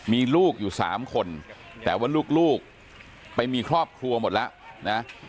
มีลูกอยู่๓คนแต่ว่าลูกไปมีครอบครัวหมดแล้วนะ